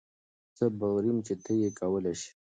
زۀ باوري يم چې تۀ یې کولای شې.